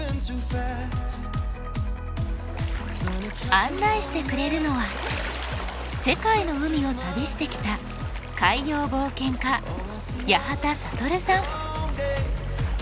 案内してくれるのは世界の海を旅してきた海洋冒険家八幡暁さん。